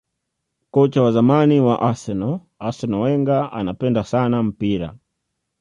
kocha wa zamani wa arsenal arsene wenger anapenda sana mpira